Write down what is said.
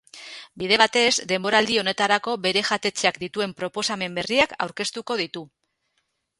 Bide batez, denboraldi honetarako bere jatetxeak dituen proposamen berriak aurkeztuko ditu.